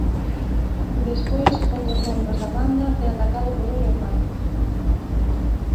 Despois un dos membros da manda é atacado por un leopardo.